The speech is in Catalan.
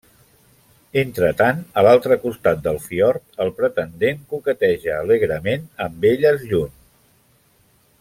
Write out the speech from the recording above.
Entretant, a l'altre costat del fiord, el pretendent coqueteja alegrement amb elles al lluny.